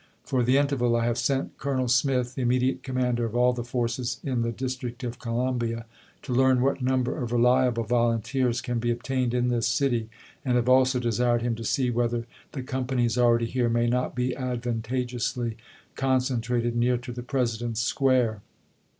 For the interval I have sent Colonel Smith (the immediate commander of all the forces in the Dis trict of Columbia) to learn what number of reliable vol unteers can be obtained in this city, and have also desired him to see whether the companies already here may not be advantageously concentrated near to the President's square.